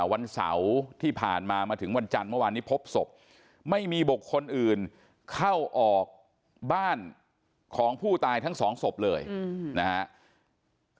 วันเสาร์ที่ผ่านมามาถึงวันจันทร์เมื่อวานนี้พบศพไม่มีบุคคลอื่นเข้าออกบ้านของผู้ตายทั้งสองศพเลยนะครับ